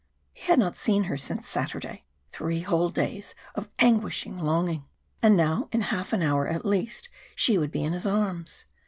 He had not seen her since Saturday. Three whole days of anguishing longing. And now in half an hour at least she would be in his arms.